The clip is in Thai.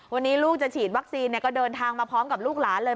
วันนี้ลูกจะฉีดวัคซีนก็เดินทางมาพร้อมกับลูกหลานเลย